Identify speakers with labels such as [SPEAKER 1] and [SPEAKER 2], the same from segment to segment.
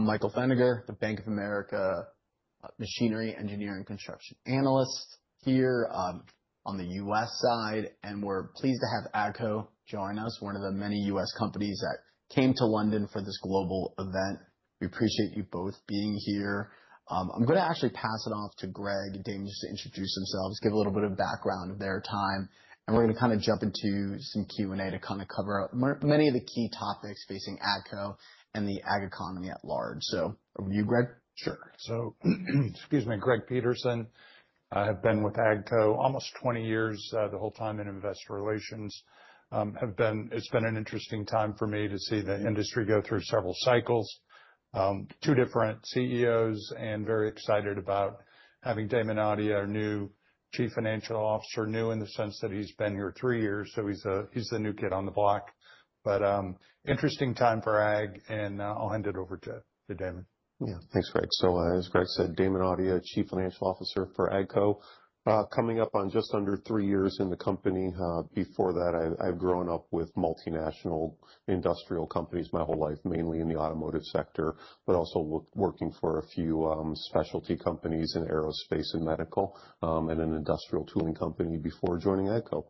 [SPEAKER 1] I'm Michael Feniger, the Bank of America Machinery Engineering Construction Analyst here on the U.S. side, and we're pleased to have AGCO join us, one of the many U.S. companies that came to London for this global event. We appreciate you both being here. I'm going to actually pass it off to Greg Damon just to introduce themselves, give a little bit of background of their time, and we're going to kind of jump into some Q&A to kind of cover many of the key topics facing AGCO and the AG economy at large. Over to you, Greg.
[SPEAKER 2] Sure. Excuse me, Greg Peterson. I have been with AGCO almost 20 years, the whole time in investor relations. It's been an interesting time for me to see the industry go through several cycles. Two different CEOs, and very excited about having Damon Audia, our new Chief Financial Officer, new in the sense that he's been here three years, so he's the new kid on the block. Interesting time for AG, and I'll hand it over to Damon.
[SPEAKER 3] Yeah, thanks, Greg. As Greg said, Damon Audia, Chief Financial Officer for AGCO. Coming up on just under three years in the company. Before that, I've grown up with multinational industrial companies my whole life, mainly in the automotive sector, but also working for a few specialty companies in aerospace and medical and an industrial tooling company before joining AGCO.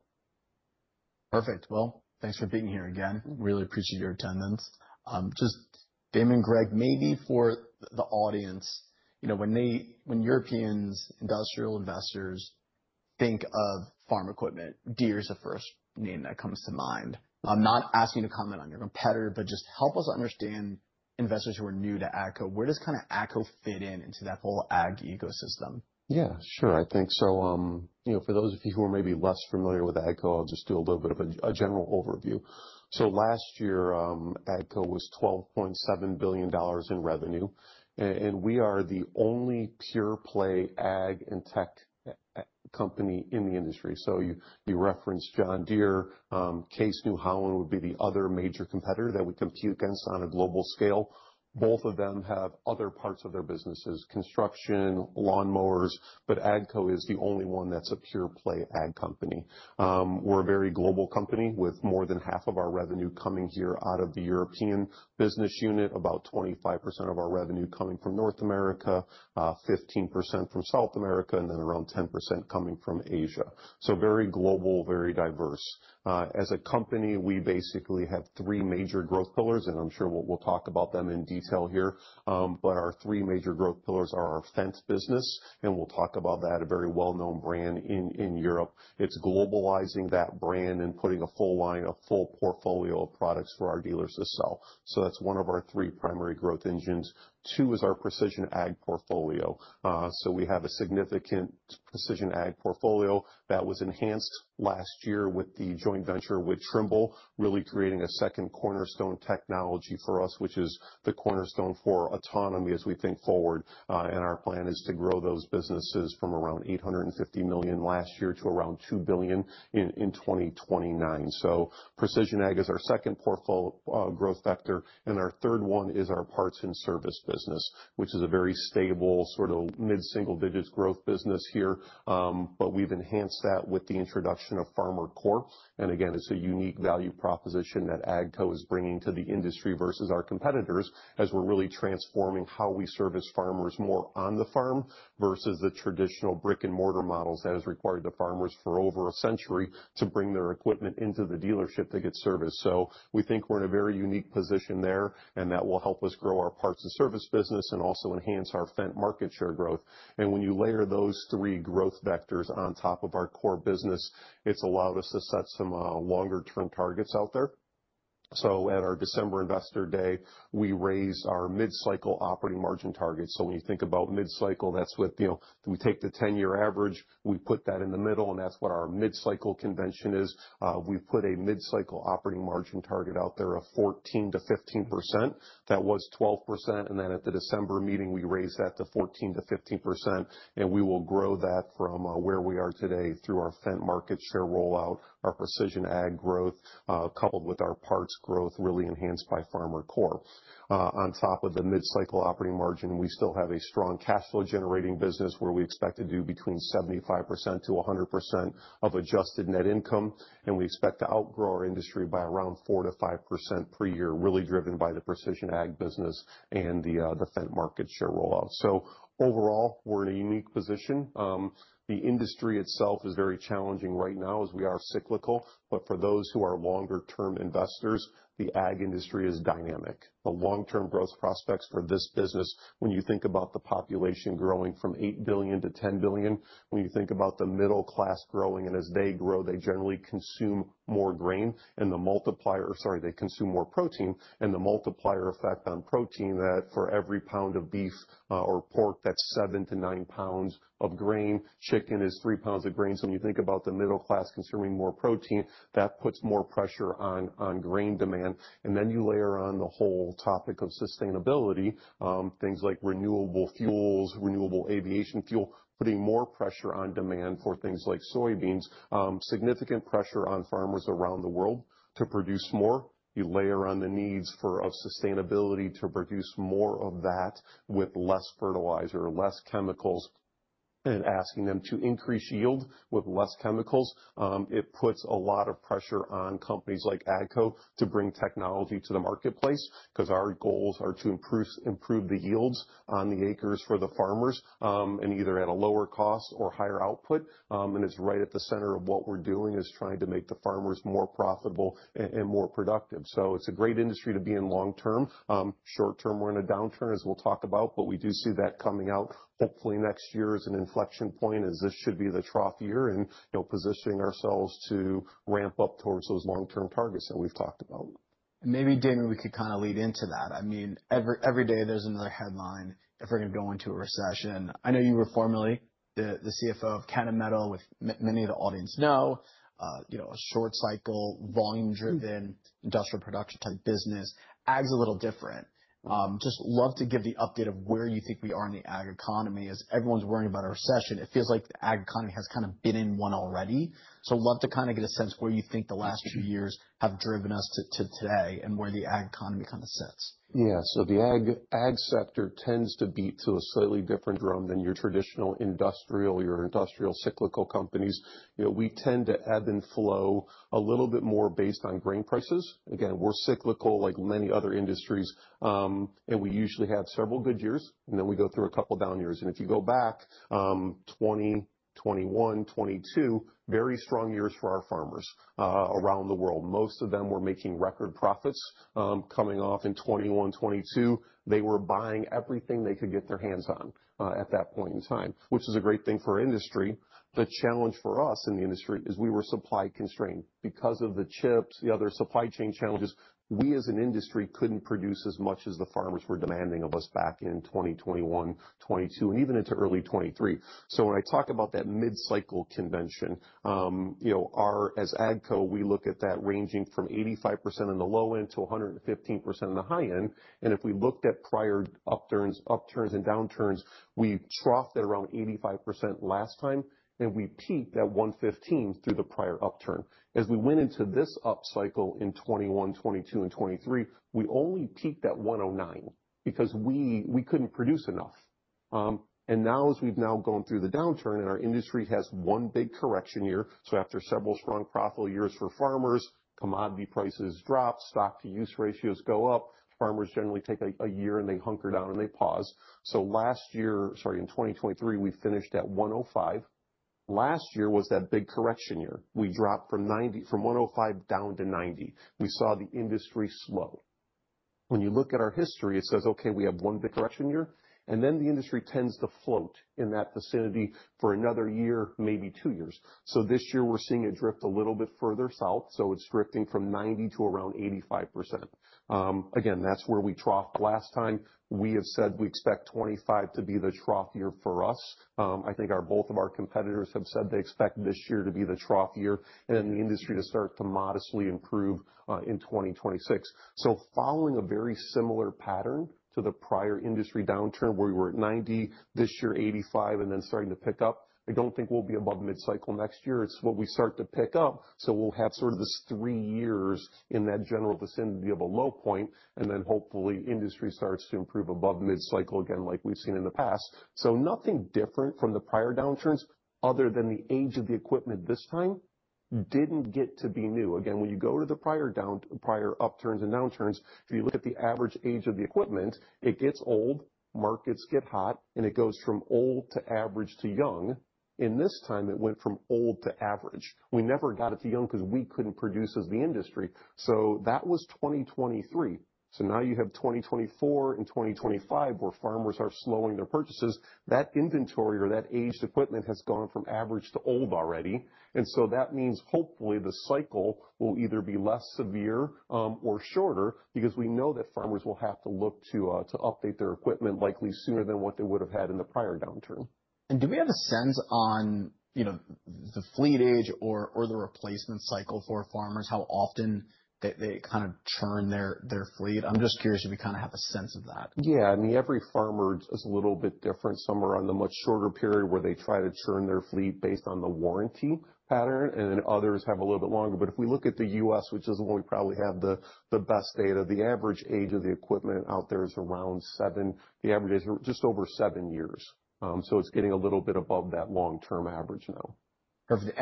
[SPEAKER 1] Perfect. Thanks for being here again. Really appreciate your attendance. Just, Damon, Greg, maybe for the audience, you know, when Europeans, industrial investors, think of farm equipment, Deere's the first name that comes to mind. I'm not asking you to comment on your competitor, but just help us understand investors who are new to AGCO. Where does kind of AGCO fit into that whole AG ecosystem?
[SPEAKER 3] Yeah, sure. I think so. You know, for those of you who are maybe less familiar with AGCO, I'll just do a little bit of a general overview. Last year, AGCO was $12.7 billion in revenue, and we are the only pure-play AG and tech company in the industry. You referenced John Deere. Case New Holland would be the other major competitor that we compete against on a global scale. Both of them have other parts of their businesses: construction, lawnmowers, but AGCO is the only one that's a pure-play AG company. We're a very global company with more than half of our revenue coming here out of the European business unit, about 25% of our revenue coming from North America, 15% from South America, and then around 10% coming from Asia. Very global, very diverse. As a company, we basically have three major growth pillars, and I'm sure we'll talk about them in detail here, but our three major growth pillars are our Fendt business, and we'll talk about that, a very well-known brand in Europe. It's globalizing that brand and putting a full line, a full portfolio of products for our dealers to sell. That's one of our three primary growth engines. Two is our precision AG portfolio. We have a significant precision AG portfolio that was enhanced last year with the joint venture with Trimble, really creating a second cornerstone technology for us, which is the cornerstone for autonomy as we think forward. Our plan is to grow those businesses from around $850 million last year to around $2 billion in 2029. Precision AG is our second portfolio growth vector, and our third one is our parts and service business, which is a very stable sort of mid-single digits growth business here, but we've enhanced that with the introduction of FarmerCore. Again, it's a unique value proposition that AGCO is bringing to the industry versus our competitors as we're really transforming how we service farmers more on the farm versus the traditional brick-and-mortar models that have required the farmers for over a century to bring their equipment into the dealership to get serviced. We think we're in a very unique position there, and that will help us grow our parts and service business and also enhance our Fendt market share growth. When you layer those three growth vectors on top of our core business, it's allowed us to set some longer-term targets out there. At our December investor day, we raised our mid-cycle operating margin target. When you think about mid-cycle, that's what, you know, we take the 10-year average, we put that in the middle, and that's what our mid-cycle convention is. We've put a mid-cycle operating margin target out there of 14%-15%. That was 12%, and then at the December meeting, we raised that to 14%-15%, and we will grow that from where we are today through our Fendt market share rollout, our precision AG growth, coupled with our parts growth really enhanced by FarmerCore. On top of the mid-cycle operating margin, we still have a strong cash flow generating business where we expect to do between 75%-100% of adjusted net income, and we expect to outgrow our industry by around 4%-5% per year, really driven by the precision AG business and the Fendt market share rollout. Overall, we are in a unique position. The industry itself is very challenging right now as we are cyclical, but for those who are longer-term investors, the AG industry is dynamic. The long-term growth prospects for this business, when you think about the population growing from 8 billion to 10 billion, when you think about the middle class growing, and as they grow, they generally consume more grain, and the multiplier, or sorry, they consume more protein, and the multiplier effect on protein that for every pound of beef or pork, that's 7-9 pounds of grain. Chicken is 3 pounds of grain, so when you think about the middle class consuming more protein, that puts more pressure on grain demand. You layer on the whole topic of sustainability, things like renewable fuels, renewable aviation fuel, putting more pressure on demand for things like soybeans, significant pressure on farmers around the world to produce more. You layer on the needs for sustainability to produce more of that with less fertilizer, less chemicals, and asking them to increase yield with less chemicals. It puts a lot of pressure on companies like AGCO to bring technology to the marketplace because our goals are to improve the yields on the acres for the farmers and either at a lower cost or higher output. It is right at the center of what we're doing, trying to make the farmers more profitable and more productive. It is a great industry to be in long term. Short term, we're in a downturn as we'll talk about, but we do see that coming out hopefully next year as an inflection point as this should be the trough year and, you know, positioning ourselves to ramp up towards those long-term targets that we've talked about.
[SPEAKER 1] Maybe, Damon, we could kind of lead into that. I mean, every day there's another headline if we're going to go into a recession. I know you were formerly the CFO of Canton Metal, which many of the audience know, you know, a short cycle, volume-driven industrial production type business. AG's a little different. Just love to give the update of where you think we are in the AG economy. As everyone's worrying about a recession, it feels like the AG economy has kind of been in one already. Love to kind of get a sense where you think the last few years have driven us to today and where the AG economy kind of sits.
[SPEAKER 3] Yeah, the AG sector tends to beat to a slightly different drum than your traditional industrial, your industrial cyclical companies. You know, we tend to ebb and flow a little bit more based on grain prices. Again, we are cyclical like many other industries, and we usually have several good years, and then we go through a couple of down years. If you go back 2021, 2022, very strong years for our farmers around the world. Most of them were making record profits. Coming off in 2021, 2022, they were buying everything they could get their hands on at that point in time, which is a great thing for our industry. The challenge for us in the industry is we were supply constrained because of the chips, the other supply chain challenges. We, as an industry, could not produce as much as the farmers were demanding of us back in 2021, 2022, and even into early 2023. When I talk about that mid-cycle convention, you know, as AGCO, we look at that ranging from 85% in the low end to 115% in the high end. If we looked at prior upturns and downturns, we troughed at around 85% last time, and we peaked at 115% through the prior upturn. As we went into this upcycle in 2021, 2022, and 2023, we only peaked at 109% because we could not produce enough. Now, as we have now gone through the downturn and our industry has one big correction year, after several strong profitable years for farmers, commodity prices drop, stock-to-use ratios go up, farmers generally take a year and they hunker down and they pause. Last year, sorry, in 2023, we finished at 105. Last year was that big correction year. We dropped from 105 down to 90. We saw the industry slow. When you look at our history, it says, okay, we have one big correction year, and then the industry tends to float in that vicinity for another year, maybe two years. This year we're seeing it drift a little bit further south, so it's drifting from 90 to around 85%. Again, that's where we troughed last time. We have said we expect 2025 to be the trough year for us. I think both of our competitors have said they expect this year to be the trough year and then the industry to start to modestly improve in 2026. Following a very similar pattern to the prior industry downturn where we were at 90, this year 85, and then starting to pick up, I don't think we'll be above mid-cycle next year. It's what we start to pick up. We'll have sort of this three years in that general vicinity of a low point, and then hopefully industry starts to improve above mid-cycle again like we've seen in the past. Nothing different from the prior downturns other than the age of the equipment this time didn't get to be new. Again, when you go to the prior upturns and downturns, if you look at the average age of the equipment, it gets old, markets get hot, and it goes from old to average to young. In this time, it went from old to average. We never got it to young because we couldn't produce as the industry. That was 2023. Now you have 2024 and 2025 where farmers are slowing their purchases. That inventory or that aged equipment has gone from average to old already. That means hopefully the cycle will either be less severe or shorter because we know that farmers will have to look to update their equipment likely sooner than what they would have had in the prior downturn.
[SPEAKER 1] Do we have a sense on, you know, the fleet age or the replacement cycle for farmers, how often they kind of churn their fleet? I'm just curious if we kind of have a sense of that.
[SPEAKER 3] Yeah, I mean, every farmer is a little bit different. Some are on the much shorter period where they try to churn their fleet based on the warranty pattern, and then others have a little bit longer. If we look at the U.S., which is where we probably have the best data, the average age of the equipment out there is around seven. The average is just over seven years. It is getting a little bit above that long-term average now.
[SPEAKER 1] Perfect.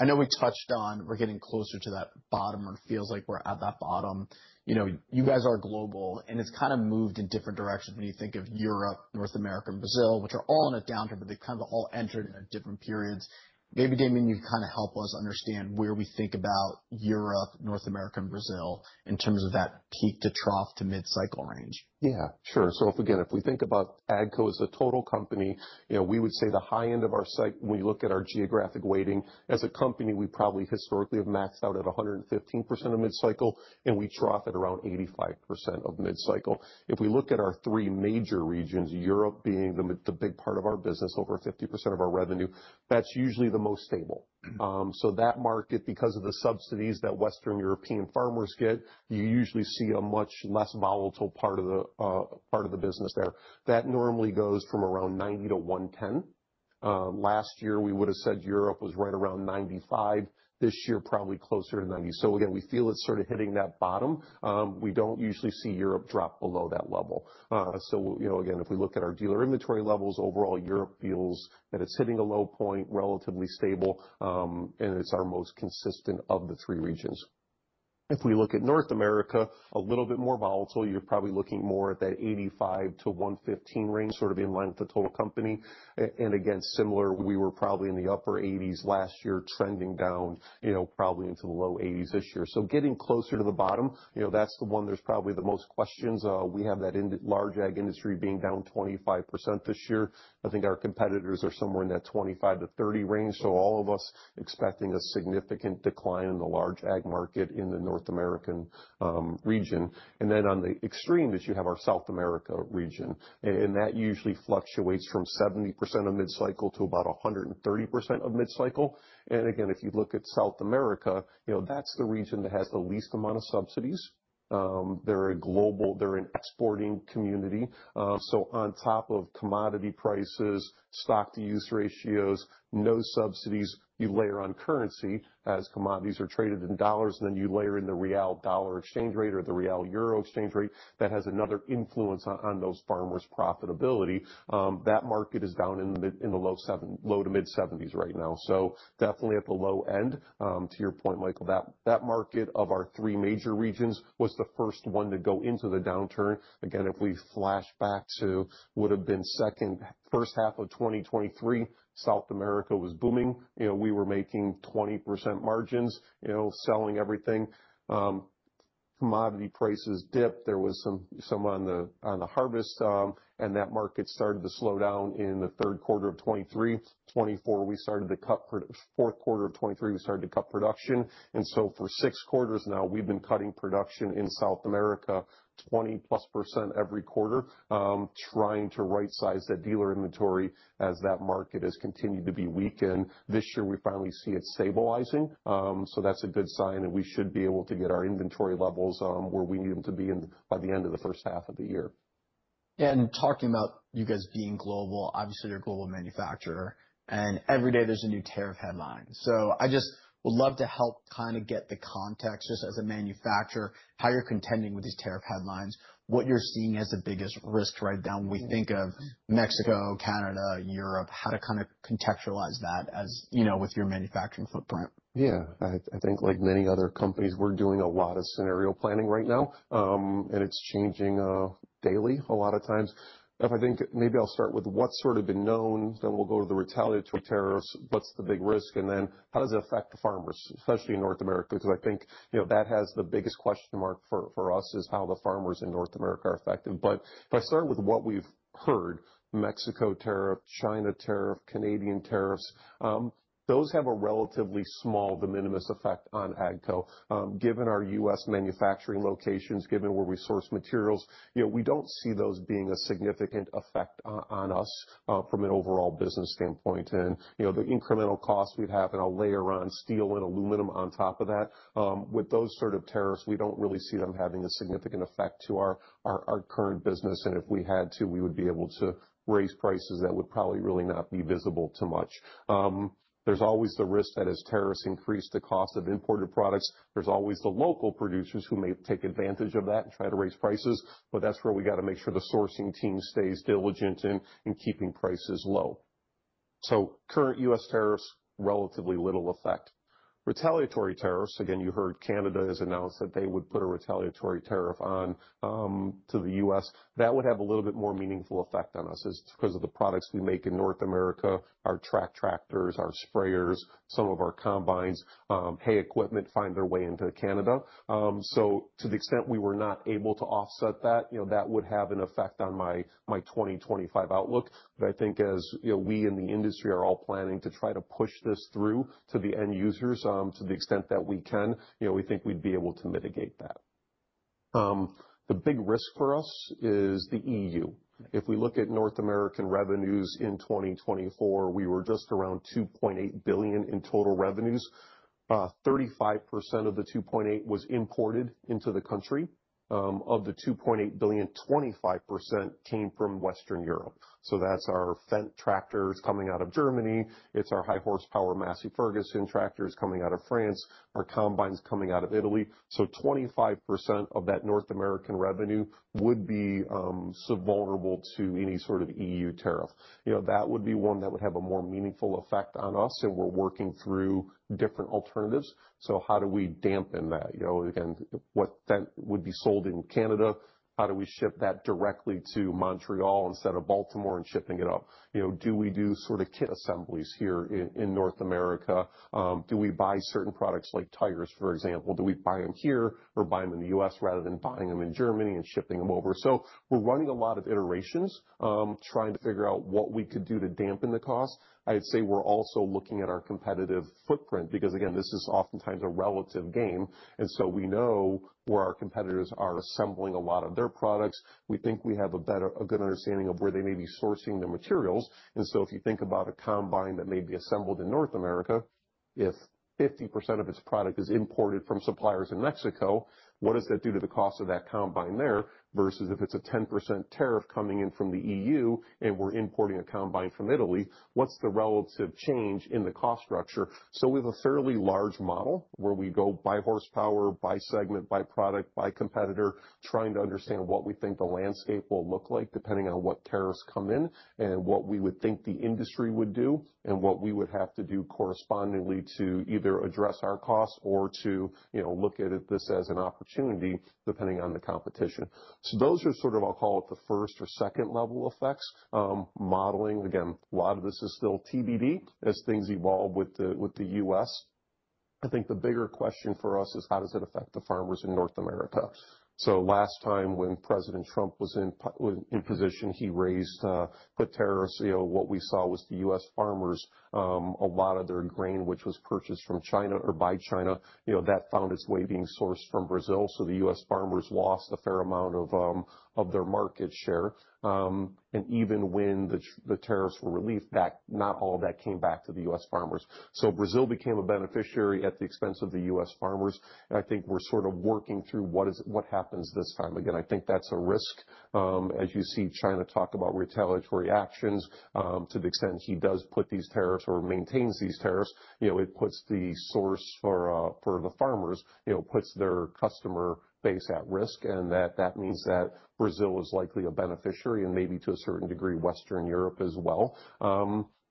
[SPEAKER 1] I know we touched on we're getting closer to that bottom or it feels like we're at that bottom. You know, you guys are global, and it's kind of moved in different directions when you think of Europe, North America, and Brazil, which are all in a downturn, but they kind of all entered in different periods. Maybe, Damon, you can kind of help us understand where we think about Europe, North America, and Brazil in terms of that peak to trough to mid-cycle range.
[SPEAKER 3] Yeah, sure. So, again, if we think about AGCO as a total company, you know, we would say the high end of our site, when you look at our geographic weighting, as a company, we probably historically have maxed out at 115% of mid-cycle, and we trough at around 85% of mid-cycle. If we look at our three major regions, Europe being the big part of our business, over 50% of our revenue, that's usually the most stable. So, that market, because of the subsidies that Western European farmers get, you usually see a much less volatile part of the business there. That normally goes from around 90-110%. Last year, we would have said Europe was right around 95%. This year, probably closer to 90%. So, again, we feel it's sort of hitting that bottom. We don't usually see Europe drop below that level. You know, again, if we look at our dealer inventory levels, overall, Europe feels that it's hitting a low point, relatively stable, and it's our most consistent of the three regions. If we look at North America, a little bit more volatile, you're probably looking more at that 85-115 range, sort of in line with the total company. Again, similar, we were probably in the upper 80s last year, trending down, you know, probably into the low 80s this year. Getting closer to the bottom, you know, that's the one there's probably the most questions. We have that large AG industry being down 25% this year. I think our competitors are somewhere in that 25-30 range. All of us expecting a significant decline in the large AG market in the North American region. On the extreme is you have our South America region, and that usually fluctuates from 70% of mid-cycle to about 130% of mid-cycle. Again, if you look at South America, you know, that's the region that has the least amount of subsidies. They're a global, they're an exporting community. On top of commodity prices, stock-to-use ratios, no subsidies, you layer on currency as commodities are traded in dollars, and then you layer in the real dollar exchange rate or the real euro exchange rate that has another influence on those farmers' profitability. That market is down in the low to mid-70s right now. Definitely at the low end, to your point, Michael, that market of our three major regions was the first one to go into the downturn. Again, if we flash back to what would have been second, first half of 2023, South America was booming. You know, we were making 20% margins, you know, selling everything. Commodity prices dipped. There was some on the harvest, and that market started to slow down in the third quarter of 2023. In 2024, we started to cut. Fourth quarter of 2023, we started to cut production. For six quarters now, we've been cutting production in South America, 20+% every quarter, trying to right-size that dealer inventory as that market has continued to be weakened. This year, we finally see it stabilizing. That is a good sign, and we should be able to get our inventory levels where we need them to be by the end of the first half of the year.
[SPEAKER 1] Talking about you guys being global, obviously you're a global manufacturer, and every day there's a new tariff headline. I just would love to help kind of get the context just as a manufacturer, how you're contending with these tariff headlines, what you're seeing as the biggest risk right now when we think of Mexico, Canada, Europe, how to kind of contextualize that as, you know, with your manufacturing footprint.
[SPEAKER 3] Yeah, I think like many other companies, we're doing a lot of scenario planning right now, and it's changing daily a lot of times. I think maybe I'll start with what's sort of been known, then we'll go to the retaliatory tariffs, what's the big risk, and then how does it affect the farmers, especially in North America? Because I think, you know, that has the biggest question mark for us is how the farmers in North America are affected. If I start with what we've heard, Mexico tariff, China tariff, Canadian tariffs, those have a relatively small, de minimis effect on AGCO. Given our U.S. manufacturing locations, given where we source materials, you know, we don't see those being a significant effect on us from an overall business standpoint. You know, the incremental costs we'd have in a layer on steel and aluminum on top of that, with those sort of tariffs, we don't really see them having a significant effect to our current business. If we had to, we would be able to raise prices that would probably really not be visible too much. There's always the risk that as tariffs increase the cost of imported products, there's always the local producers who may take advantage of that and try to raise prices. That is where we got to make sure the sourcing team stays diligent in keeping prices low. Current U.S. tariffs, relatively little effect. Retaliatory tariffs, again, you heard Canada has announced that they would put a retaliatory tariff on to the U.S. That would have a little bit more meaningful effect on us because of the products we make in North America, our track tractors, our sprayers, some of our combines, hay equipment find their way into Canada. To the extent we were not able to offset that, you know, that would have an effect on my 2025 outlook. I think as, you know, we in the industry are all planning to try to push this through to the end users to the extent that we can, you know, we think we'd be able to mitigate that. The big risk for us is the EU. If we look at North American revenues in 2024, we were just around $2.8 billion in total revenues. 35% of the $2.8 billion was imported into the country. Of the $2.8 billion, 25% came from Western Europe. That's our Fendt tractors coming out of Germany. It's our high horsepower Massey Ferguson tractors coming out of France, our combines coming out of Italy. Twenty-five percent of that North American revenue would be vulnerable to any sort of EU tariff. You know, that would be one that would have a more meaningful effect on us, and we're working through different alternatives. How do we dampen that? You know, again, what Fendt would be sold in Canada, how do we ship that directly to Montreal instead of Baltimore and shipping it up? You know, do we do sort of kit assemblies here in North America? Do we buy certain products like tires, for example? Do we buy them here or buy them in the U.S. rather than buying them in Germany and shipping them over? We're running a lot of iterations trying to figure out what we could do to dampen the cost. I'd say we're also looking at our competitive footprint because, again, this is oftentimes a relative game. We know where our competitors are assembling a lot of their products. We think we have a good understanding of where they may be sourcing the materials. If you think about a combine that may be assembled in North America, if 50% of its product is imported from suppliers in Mexico, what does that do to the cost of that combine there versus if it's a 10% tariff coming in from the EU and we're importing a combine from Italy, what's the relative change in the cost structure? We have a fairly large model where we go by horsepower, by segment, by product, by competitor, trying to understand what we think the landscape will look like depending on what tariffs come in and what we would think the industry would do and what we would have to do correspondingly to either address our cost or to, you know, look at this as an opportunity depending on the competition. Those are sort of, I'll call it the first or second level effects. Modeling, again, a lot of this is still TBD as things evolve with the U.S. I think the bigger question for us is how does it affect the farmers in North America? Last time when President Trump was in position, he raised the tariffs. You know, what we saw was the U.S. farmers, a lot of their grain, which was purchased from China or by China, you know, that found its way being sourced from Brazil. The U.S. farmers lost a fair amount of their market share. Even when the tariffs were relieved, not all of that came back to the U.S. farmers. Brazil became a beneficiary at the expense of the U.S. farmers. I think we're sort of working through what happens this time. Again, I think that's a risk. As you see China talk about retaliatory actions to the extent he does put these tariffs or maintains these tariffs, you know, it puts the source for the farmers, you know, puts their customer base at risk. That means that Brazil is likely a beneficiary and maybe to a certain degree Western Europe as well.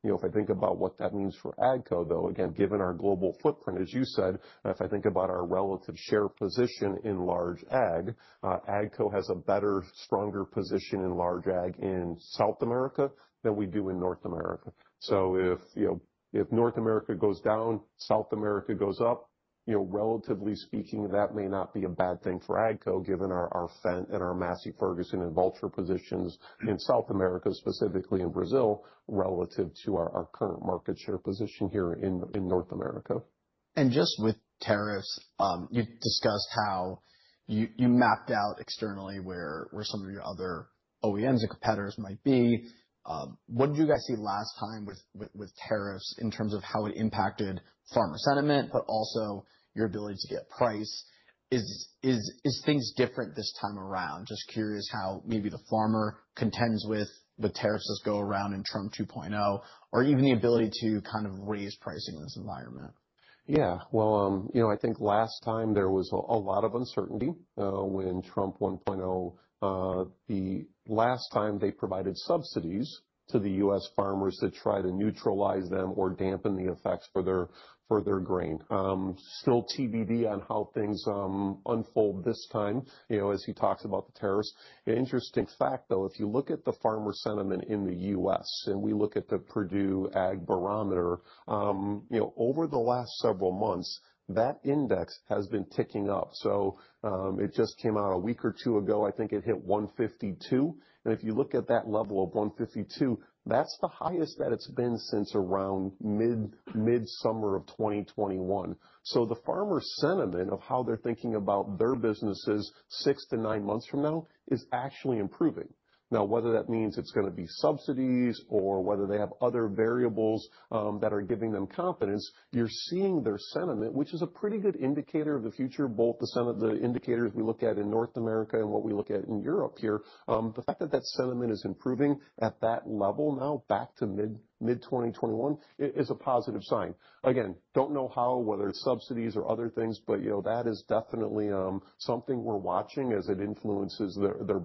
[SPEAKER 3] You know, if I think about what that means for AGCO, though, again, given our global footprint, as you said, if I think about our relative share position in large AG, AGCO has a better, stronger position in large AG in South America than we do in North America. If, you know, if North America goes down, South America goes up, you know, relatively speaking, that may not be a bad thing for AGCO given our Fendt and our Massey Ferguson and Valtra positions in South America, specifically in Brazil, relative to our current market share position here in North America. Just with tariffs, you discussed how you mapped out externally where some of your other OEMs and competitors might be. What did you guys see last time with tariffs in terms of how it impacted farmer sentiment, but also your ability to get price? Is things different this time around? Just curious how maybe the farmer contends with tariffs as they go around in Trump 2.0 or even the ability to kind of raise pricing in this environment. Yeah, well, you know, I think last time there was a lot of uncertainty when Trump 1.0, the last time they provided subsidies to the U.S. farmers to try to neutralize them or dampen the effects for their grain. Still TBD on how things unfold this time, you know, as he talks about the tariffs. Interesting fact, though, if you look at the farmer sentiment in the U.S. and we look at the Purdue Ag Barometer, you know, over the last several months, that index has been ticking up. It just came out a week or two ago. I think it hit 152. If you look at that level of 152, that's the highest that it's been since around mid-summer of 2021. The farmer sentiment of how they're thinking about their businesses six to nine months from now is actually improving. Now, whether that means it's going to be subsidies or whether they have other variables that are giving them confidence, you're seeing their sentiment, which is a pretty good indicator of the future, both the indicators we look at in North America and what we look at in Europe here. The fact that that sentiment is improving at that level now back to mid-2021 is a positive sign. Again, don't know how, whether it's subsidies or other things, but you know, that is definitely something we're watching as it influences their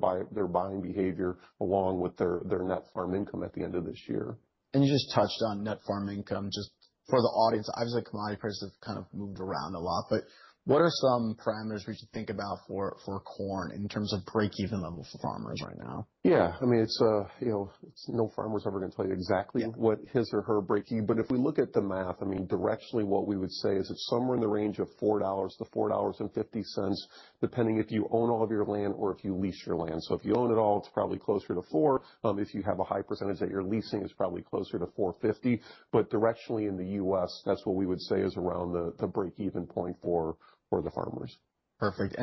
[SPEAKER 3] buying behavior along with their net farm income at the end of this year.
[SPEAKER 1] You just touched on net farm income. Just for the audience, obviously commodity prices have kind of moved around a lot, but what are some parameters we should think about for corn in terms of break-even level for farmers right now?
[SPEAKER 3] Yeah, I mean, it's, you know, no farmer's ever going to tell you exactly what his or her break-even, but if we look at the math, I mean, directionally what we would say is it's somewhere in the range of $4-$4.50 depending if you own all of your land or if you lease your land. If you own it all, it's probably closer to $4. If you have a high percentage that you're leasing, it's probably closer to $4.50. Directionally in the U.S., that's what we would say is around the break-even point for the farmers.
[SPEAKER 1] Perfect.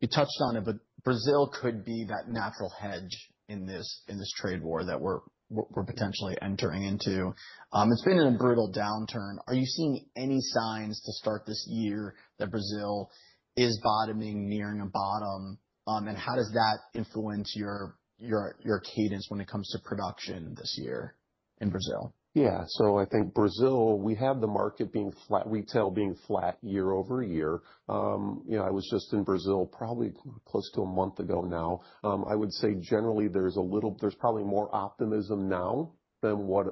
[SPEAKER 1] You touched on it, but Brazil could be that natural hedge in this trade war that we are potentially entering into. It has been in a brutal downturn. Are you seeing any signs to start this year that Brazil is bottoming, nearing a bottom? How does that influence your cadence when it comes to production this year in Brazil?
[SPEAKER 3] Yeah, so I think Brazil, we have the market being flat, retail being flat year over year. You know, I was just in Brazil probably close to a month ago now. I would say generally there's a little, there's probably more optimism now than what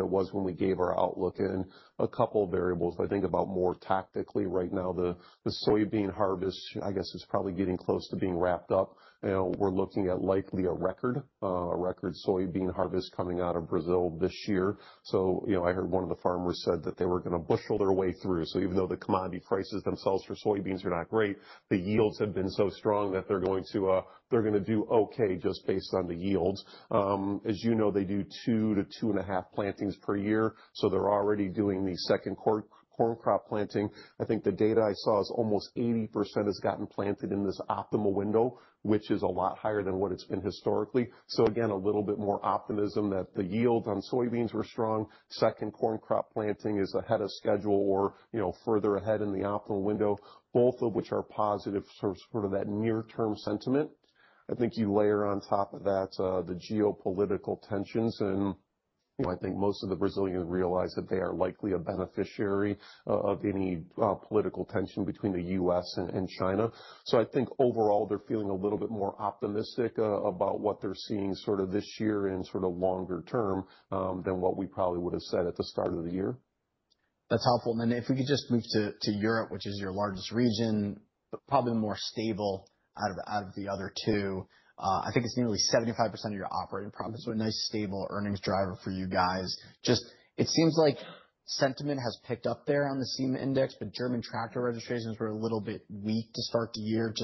[SPEAKER 3] it was when we gave our outlook and a couple of variables. I think about more tactically right now, the soybean harvest, I guess it's probably getting close to being wrapped up. You know, we're looking at likely a record, a record soybean harvest coming out of Brazil this year. You know, I heard one of the farmers said that they were going to bushel their way through. Even though the commodity prices themselves for soybeans are not great, the yields have been so strong that they're going to, they're going to do okay just based on the yields. As you know, they do two to two and a half plantings per year. They are already doing the second corn crop planting. I think the data I saw is almost 80% has gotten planted in this optimal window, which is a lot higher than what it has been historically. Again, a little bit more optimism that the yields on soybeans were strong. Second corn crop planting is ahead of schedule or, you know, further ahead in the optimal window, both of which are positive for sort of that near-term sentiment. I think you layer on top of that the geopolitical tensions and, you know, I think most of the Brazilians realize that they are likely a beneficiary of any political tension between the U.S. and China. I think overall they're feeling a little bit more optimistic about what they're seeing sort of this year and sort of longer term than what we probably would have said at the start of the year.
[SPEAKER 1] That's helpful. If we could just move to Europe, which is your largest region, probably more stable out of the other two. I think it's nearly 75% of your operating profits, so a nice stable earnings driver for you guys. It seems like sentiment has picked up there on the CEMA index, but German tractor registrations were a little bit weak to start the year.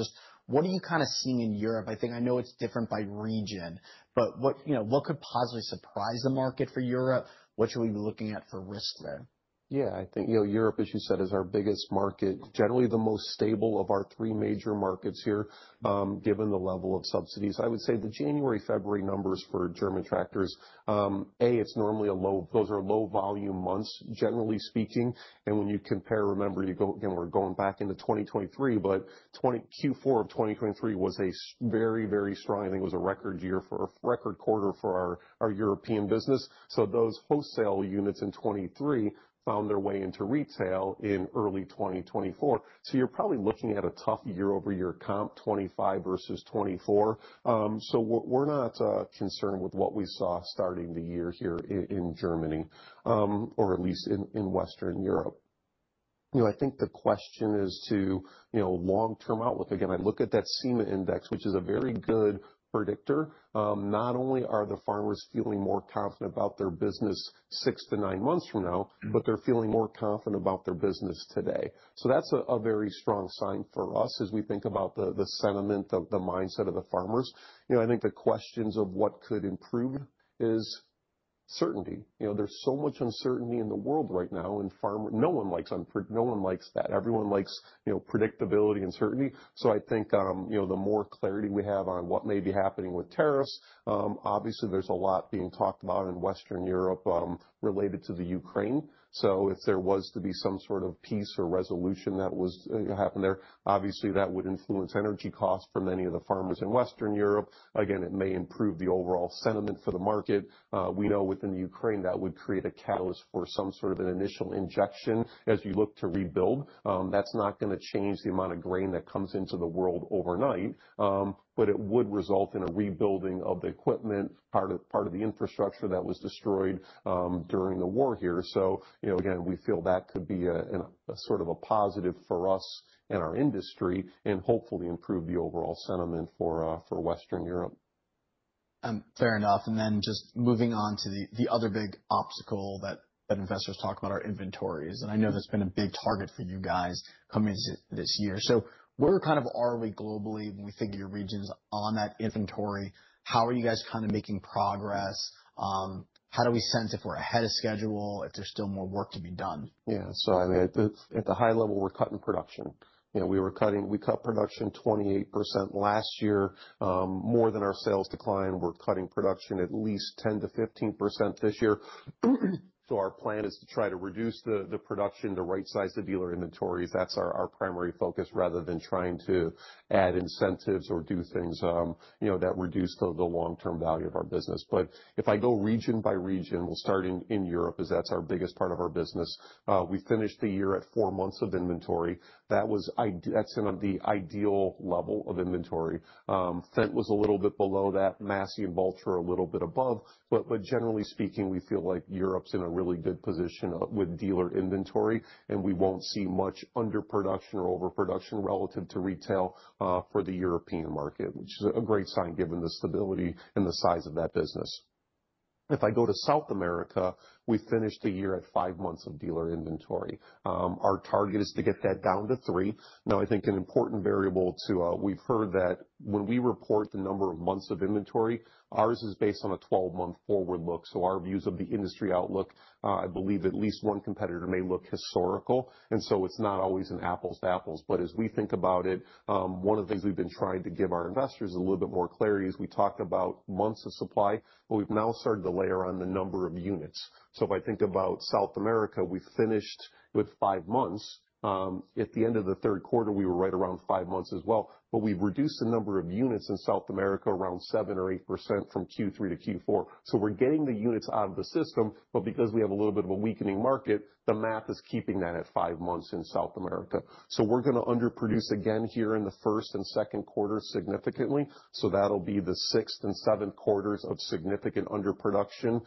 [SPEAKER 1] What are you kind of seeing in Europe? I think I know it's different by region, but what, you know, what could possibly surprise the market for Europe? What should we be looking at for risk there?
[SPEAKER 3] Yeah, I think, you know, Europe, as you said, is our biggest market, generally the most stable of our three major markets here given the level of subsidies. I would say the January, February numbers for German tractors, A, it's normally a low, those are low volume months, generally speaking. And when you compare, remember you go, again, we're going back into 2023, but Q4 of 2023 was a very, very strong, I think it was a record year for a record quarter for our European business. Those wholesale units in 2023 found their way into retail in early 2024. You're probably looking at a tough year over year comp, 2025 versus 2024. We're not concerned with what we saw starting the year here in Germany or at least in Western Europe. I think the question is to, you know, long-term outlook. Again, I look at that CEMA index, which is a very good predictor. Not only are the farmers feeling more confident about their business six to nine months from now, but they're feeling more confident about their business today. That is a very strong sign for us as we think about the sentiment, the mindset of the farmers. You know, I think the questions of what could improve is certainty. You know, there's so much uncertainty in the world right now and farmer, no one likes, no one likes that. Everyone likes, you know, predictability and certainty. I think, you know, the more clarity we have on what may be happening with tariffs, obviously there's a lot being talked about in Western Europe related to the Ukraine. If there was to be some sort of peace or resolution that happened there, obviously that would influence energy costs for many of the farmers in Western Europe. Again, it may improve the overall sentiment for the market. We know within Ukraine that would create a catalyst for some sort of an initial injection as you look to rebuild. That's not going to change the amount of grain that comes into the world overnight, but it would result in a rebuilding of the equipment, part of the infrastructure that was destroyed during the war here. You know, again, we feel that could be a sort of a positive for us and our industry and hopefully improve the overall sentiment for Western Europe.
[SPEAKER 1] Fair enough. Just moving on to the other big obstacle that investors talk about are inventories. I know that's been a big target for you guys coming into this year. Where kind of are we globally when we think of your regions on that inventory? How are you guys kind of making progress? How do we sense if we're ahead of schedule, if there's still more work to be done?
[SPEAKER 3] Yeah. So, I mean, at the high level, we're cutting production. You know, we were cutting, we cut production 28% last year, more than our sales decline. We're cutting production at least 10-15% this year. Our plan is to try to reduce the production, the right size to dealer inventories. That's our primary focus rather than trying to add incentives or do things, you know, that reduce the long-term value of our business. If I go region by region, we'll start in Europe as that's our biggest part of our business. We finished the year at four months of inventory. That was, that's the ideal level of inventory. Fendt was a little bit below that. Massey and Valtra a little bit above. Generally speaking, we feel like Europe is in a really good position with dealer inventory, and we will not see much underproduction or overproduction relative to retail for the European market, which is a great sign given the stability and the size of that business. If I go to South America, we finished the year at five months of dealer inventory. Our target is to get that down to three. I think an important variable too, we have heard that when we report the number of months of inventory, ours is based on a 12-month forward look. Our views of the industry outlook, I believe at least one competitor may look historical. It is not always an apples to apples. As we think about it, one of the things we've been trying to give our investors a little bit more clarity is we talked about months of supply, but we've now started to layer on the number of units. If I think about South America, we finished with five months. At the end of the third quarter, we were right around five months as well. We've reduced the number of units in South America around 7% or 8% from Q3 to Q4. We're getting the units out of the system, but because we have a little bit of a weakening market, the math is keeping that at five months in South America. We're going to underproduce again here in the first and second quarter significantly. That'll be the sixth and seventh quarters of significant underproduction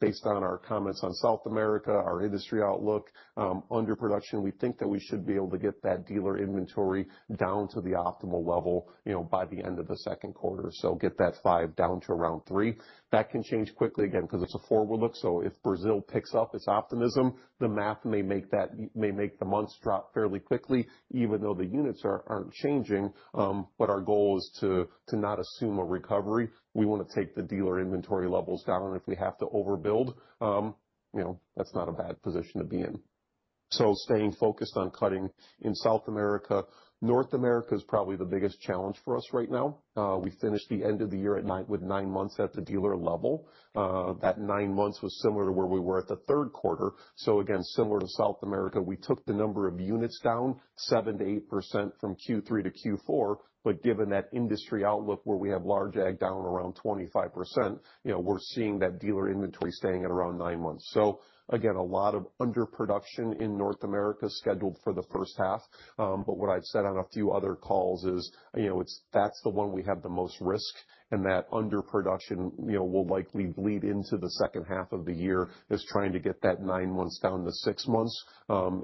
[SPEAKER 3] based on our comments on South America, our industry outlook, underproduction. We think that we should be able to get that dealer inventory down to the optimal level, you know, by the end of the second quarter. Get that five down to around three. That can change quickly again because it's a forward look. If Brazil picks up its optimism, the math may make that, may make the months drop fairly quickly, even though the units aren't changing. Our goal is to not assume a recovery. We want to take the dealer inventory levels down. If we have to overbuild, you know, that's not a bad position to be in. Staying focused on cutting in South America, North America is probably the biggest challenge for us right now. We finished the end of the year at nine with nine months at the dealer level. That nine months was similar to where we were at the third quarter. Again, similar to South America, we took the number of units down 7-8% from Q3 to Q4. Given that industry outlook where we have large ag down around 25%, you know, we're seeing that dealer inventory staying at around nine months. Again, a lot of underproduction in North America scheduled for the first half. What I've said on a few other calls is, you know, that's the one we have the most risk and that underproduction, you know, will likely bleed into the second half of the year as trying to get that nine months down to six months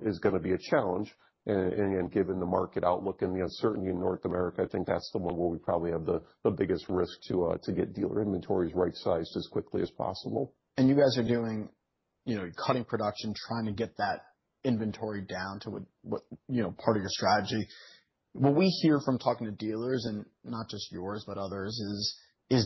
[SPEAKER 3] is going to be a challenge. Given the market outlook and the uncertainty in North America, I think that's the one where we probably have the biggest risk to get dealer inventories right sized as quickly as possible.
[SPEAKER 1] You guys are doing, you know, cutting production, trying to get that inventory down to what, you know, part of your strategy. What we hear from talking to dealers and not just yours, but others is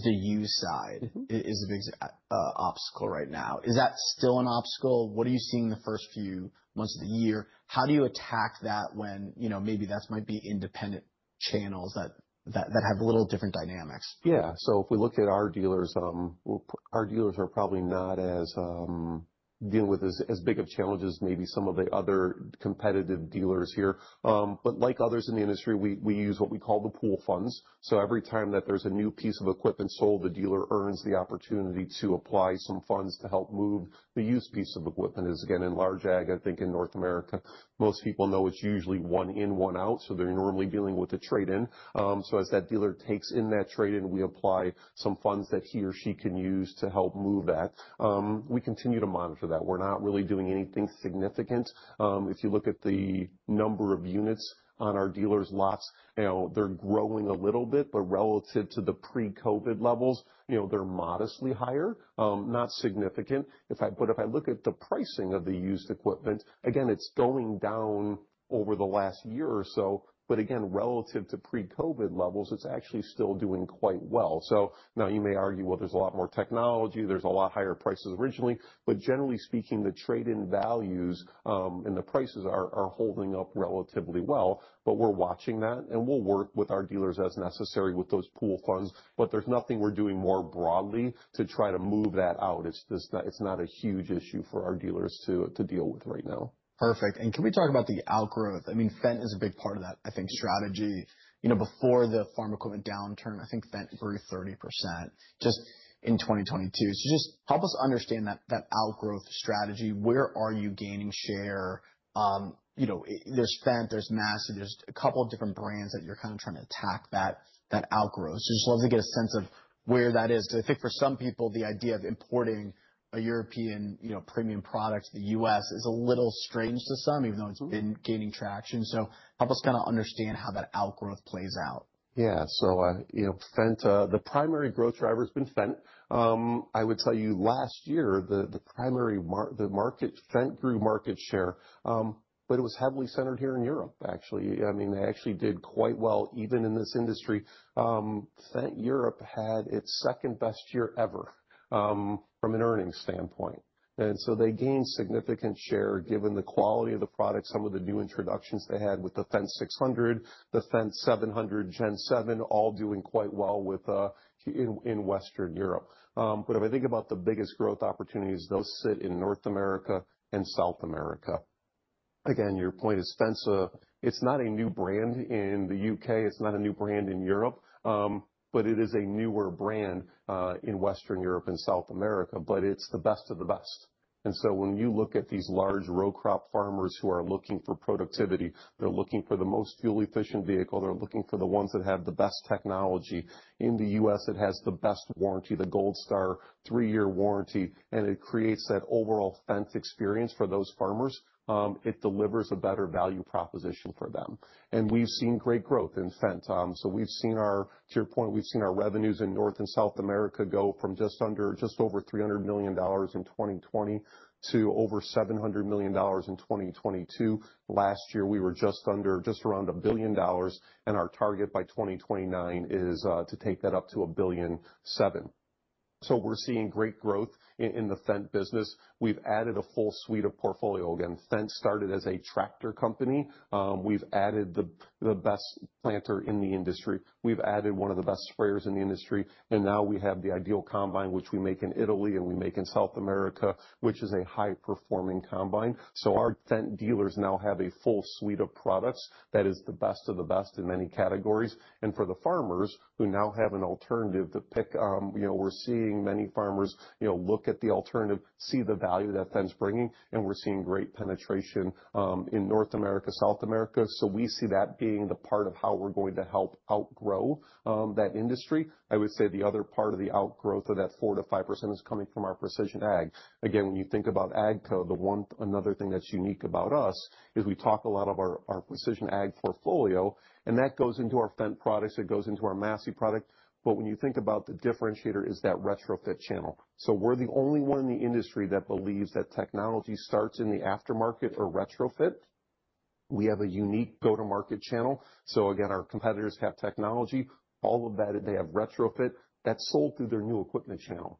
[SPEAKER 1] the used side is a big obstacle right now. Is that still an obstacle? What are you seeing the first few months of the year? How do you attack that when, you know, maybe that might be independent channels that have a little different dynamics?
[SPEAKER 3] Yeah. If we look at our dealers, our dealers are probably not dealing with as big of challenges as maybe some of the other competitive dealers here. Like others in the industry, we use what we call the pool funds. Every time that there's a new piece of equipment sold, the dealer earns the opportunity to apply some funds to help move the used piece of equipment. In large ag, I think in North America, most people know it's usually one in, one out. They're normally dealing with a trade-in. As that dealer takes in that trade-in, we apply some funds that he or she can use to help move that. We continue to monitor that. We're not really doing anything significant. If you look at the number of units on our dealers' lots, you know, they're growing a little bit, but relative to the pre-COVID levels, you know, they're modestly higher, not significant. If I look at the pricing of the used equipment, again, it's going down over the last year or so. Again, relative to pre-COVID levels, it's actually still doing quite well. You may argue, well, there's a lot more technology, there's a lot higher prices originally. Generally speaking, the trade-in values and the prices are holding up relatively well. We're watching that and we'll work with our dealers as necessary with those pool funds. There's nothing we're doing more broadly to try to move that out. It's not a huge issue for our dealers to deal with right now.
[SPEAKER 1] Perfect. Can we talk about the outgrowth? I mean, Fendt is a big part of that, I think, strategy. You know, before the farm equipment downturn, I think Fendt grew 30% just in 2022. Just help us understand that outgrowth strategy. Where are you gaining share? You know, there's Fendt, there's Massey, there's a couple of different brands that you're kind of trying to attack that outgrowth. Just love to get a sense of where that is. I think for some people, the idea of importing a European, you know, premium product to the U.S. is a little strange to some, even though it's been gaining traction. Help us kind of understand how that outgrowth plays out.
[SPEAKER 3] Yeah. So, you know, Fendt, the primary growth driver has been Fendt. I would tell you last year, the primary market, Fendt grew market share, but it was heavily centered here in Europe, actually. I mean, they actually did quite well even in this industry. Fendt Europe had its second best year ever from an earnings standpoint. They gained significant share given the quality of the product, some of the new introductions they had with the Fendt 600, the Fendt 700 Gen 7, all doing quite well within Western Europe. If I think about the biggest growth opportunities, those sit in North America and South America. Again, your point is Fendt, it's not a new brand in the U.K. It's not a new brand in Europe, but it is a newer brand in Western Europe and South America, but it's the best of the best. When you look at these large row crop farmers who are looking for productivity, they're looking for the most fuel-efficient vehicle. They're looking for the ones that have the best technology in the U.S. that has the best warranty, the Gold Star three-year warranty, and it creates that overall Fendt experience for those farmers. It delivers a better value proposition for them. We've seen great growth in Fendt. We've seen our, to your point, we've seen our revenues in North and South America go from just under, just over $300 million in 2020 to over $700 million in 2022. Last year, we were just under, just around $1 billion, and our target by 2029 is to take that up to $1.7 billion. We're seeing great growth in the Fendt business. We've added a full suite of portfolio. Again, Fendt started as a tractor company. We've added the best planter in the industry. We've added one of the best sprayers in the industry. Now we have the IDEAL combine, which we make in Italy and we make in South America, which is a high-performing combine. Our Fendt dealers now have a full suite of products that is the best of the best in many categories. For the farmers who now have an alternative to pick, you know, we're seeing many farmers, you know, look at the alternative, see the value that Fendt's bringing, and we're seeing great penetration in North America, South America. We see that being the part of how we're going to help outgrow that industry. I would say the other part of the outgrowth of that 4-5% is coming from our precision ag. Again, when you think about ag, the one another thing that's unique about us is we talk a lot of our precision ag portfolio, and that goes into our Fendt products. It goes into our Massey product. When you think about the differentiator, it is that retrofit channel. We're the only one in the industry that believes that technology starts in the aftermarket or retrofit. We have a unique go-to-market channel. Our competitors have technology, all of that, they have retrofit that's sold through their new equipment channel.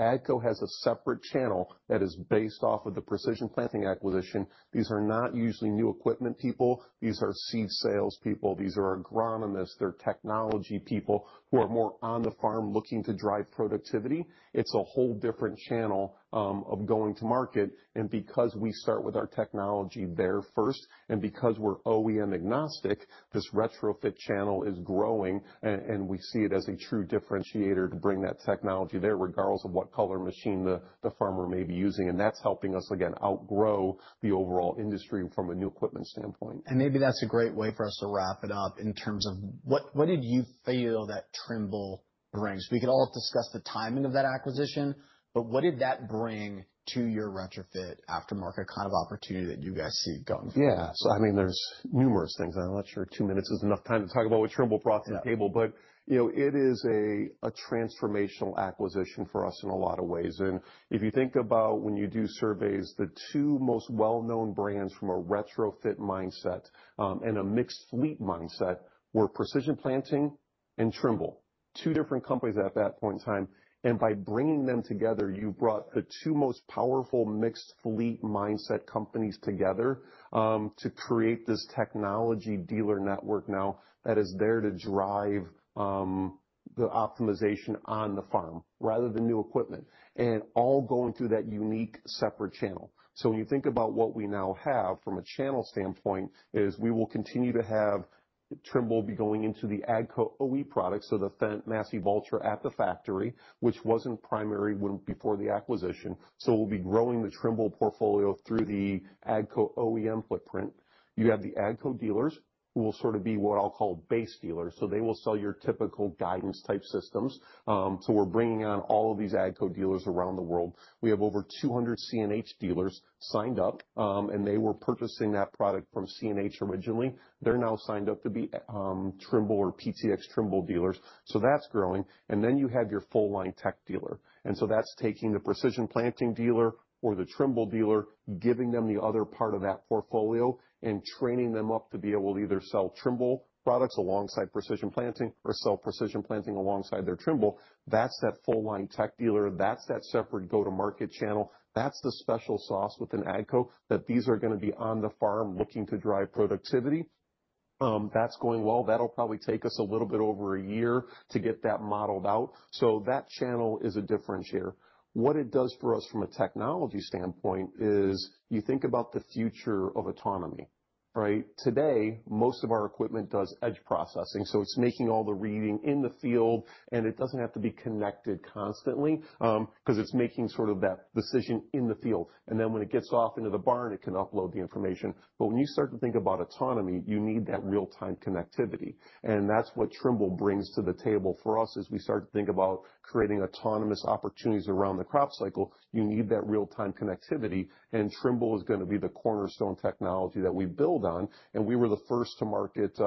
[SPEAKER 3] AGCO has a separate channel that is based off of the Precision Planting acquisition. These are not usually new equipment people. These are seed salespeople. These are agronomists. They're technology people who are more on the farm looking to drive productivity. It's a whole different channel of going to market. Because we start with our technology there first, and because we're OEM agnostic, this retrofit channel is growing, and we see it as a true differentiator to bring that technology there, regardless of what color machine the farmer may be using. That's helping us, again, outgrow the overall industry from a new equipment standpoint.
[SPEAKER 1] Maybe that's a great way for us to wrap it up in terms of what did you feel that Trimble brings? We could all discuss the timing of that acquisition, but what did that bring to your retrofit aftermarket kind of opportunity that you guys see going forward?
[SPEAKER 3] Yeah. I mean, there's numerous things. I'm not sure two minutes is enough time to talk about what Trimble brought to the table. You know, it is a transformational acquisition for us in a lot of ways. If you think about when you do surveys, the two most well-known brands from a retrofit mindset and a mixed fleet mindset were Precision Planting and Trimble, two different companies at that point in time. By bringing them together, you've brought the two most powerful mixed fleet mindset companies together to create this technology dealer network now that is there to drive the optimization on the farm rather than new equipment and all going through that unique separate channel. When you think about what we now have from a channel standpoint is we will continue to have Trimble be going into the AGCO OE products. The Fendt, Massey, Valtra at the factory, which was not primary before the acquisition. We will be growing the Trimble portfolio through the AGCO OEM footprint. You have the AGCO dealers who will sort of be what I'll call base dealers. They will sell your typical guidance type systems. We are bringing on all of these AGCO dealers around the world. We have over 200 CNH dealers signed up, and they were purchasing that product from CNH originally. They are now signed up to be Trimble or PTx Trimble dealers. That is growing. Then you have your full-line tech dealer. That is taking the Precision Planting dealer or the Trimble dealer, giving them the other part of that portfolio and training them up to be able to either sell Trimble products alongside Precision Planting or sell Precision Planting alongside their Trimble. That is that full-line tech dealer. That's that separate go-to-market channel. That's the special sauce within AGCO that these are going to be on the farm looking to drive productivity. That's going well. That'll probably take us a little bit over a year to get that modeled out. That channel is a differentiator. What it does for us from a technology standpoint is you think about the future of autonomy, right? Today, most of our equipment does edge processing. It's making all the reading in the field, and it doesn't have to be connected constantly because it's making sort of that decision in the field. Then when it gets off into the barn, it can upload the information. When you start to think about autonomy, you need that real-time connectivity. That is what Trimble brings to the table for us as we start to think about creating autonomous opportunities around the crop cycle. You need that real-time connectivity. Trimble is going to be the cornerstone technology that we build on. We were the first to market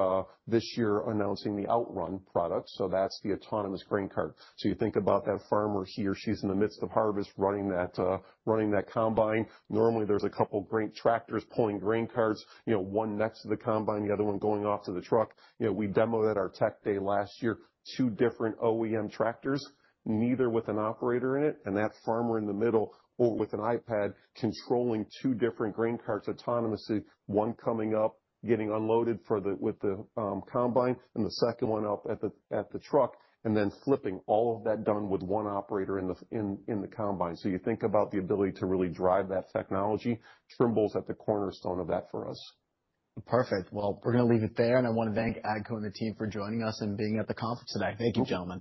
[SPEAKER 3] this year announcing the Outrun product. That is the autonomous grain cart. You think about that farmer, he or she is in the midst of harvest running that combine. Normally, there are a couple of grain tractors pulling grain carts, you know, one next to the combine, the other one going off to the truck. You know, we demoed at our Tech Day last year, two different OEM tractors, neither with an operator in it. That farmer in the middle or with an iPad controlling two different grain carts autonomously, one coming up, getting unloaded with the combine, and the second one up at the truck, and then flipping all of that done with one operator in the combine. You think about the ability to really drive that technology. Trimble's at the cornerstone of that for us.
[SPEAKER 1] Perfect. We are going to leave it there. I want to thank AGCO and the team for joining us and being at the conference today. Thank you, gentlemen.